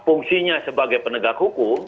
fungsinya sebagai penegak hukum